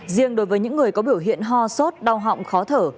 riêng đối với những người có biểu hiện ho sốt đau họng khó thở